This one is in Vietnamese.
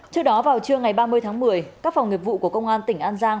trước đó vào trưa ngày ba mươi tháng một mươi các phòng nghiệp vụ của công an tỉnh an giang